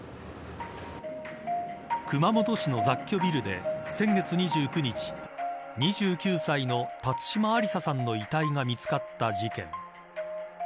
熊本市の雑居ビルで先月２９日２９歳の辰島ありささんの遺体が見つかった事件。